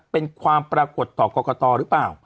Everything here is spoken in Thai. เป็นความปรากฏต่อกรกตหรือเปล่า